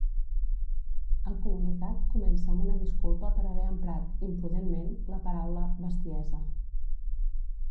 El comunicat comença amb una disculpa per haver emprat “imprudentment” la paraula “bestiesa”.